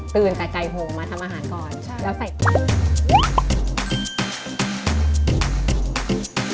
ตื่นกับใกล้โฮมาทำอาหารก่อนแล้วใส่